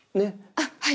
あっはい。